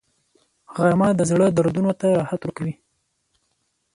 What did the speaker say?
غرمه د زړه دردونو ته راحت ورکوي